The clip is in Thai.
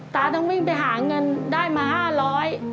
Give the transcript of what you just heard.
ตาต้องวิ่งไปหาเงินได้มาห้าร้อย